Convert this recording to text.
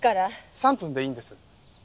３分でいいんです。